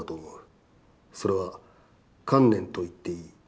それは観念と言っていい。